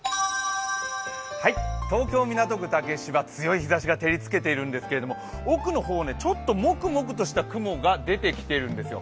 東京・港区竹芝、強い日ざしが照りつけているんですけども、奥の方、ちょっともくもくとした雲が出てきているんですよ。